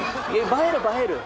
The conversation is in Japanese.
映える映える！